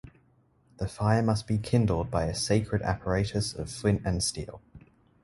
The fire must be kindled by a sacred apparatus of flint and steel.